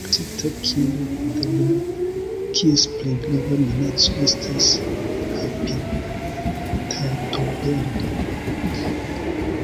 Ĝi estas klasita kiel Vundebla, kies plej grava minaco estas habitatoperdo.